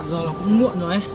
giờ là cũng muộn rồi đấy